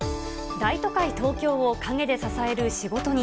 大都会、東京を陰で支える仕事人。